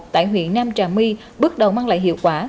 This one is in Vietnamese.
tại huyện nam trà my bước đầu mang lại hiệu quả